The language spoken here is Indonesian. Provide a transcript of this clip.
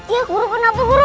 ya guru kenapa guru